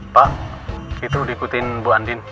pak itu diikutin bu andin